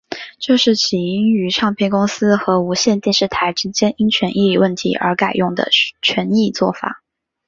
这是起因于唱片公司和无线电视台之间因权益问题而改用的权宜作法。